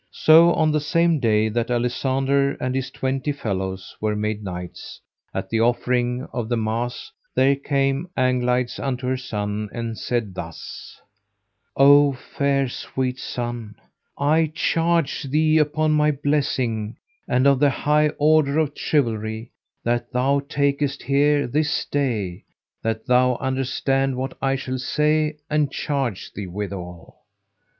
So on the same day that Alisander and his twenty fellows were made knights, at the offering of the mass there came Anglides unto her son and said thus: O fair sweet son, I charge thee upon my blessing, and of the high order of chivalry that thou takest here this day, that thou understand what I shall say and charge thee withal.